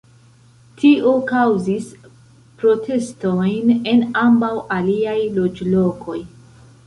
Tio kaŭzis protestojn en ambaŭ aliaj loĝlokoj.